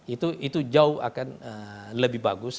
itu jauh akan lebih bagus